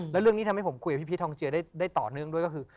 แล้วเรื่องนี้ทำให้ผมคุยกับพี่พีชทองเจือได้ต่อเนื่องด้วยก็คือ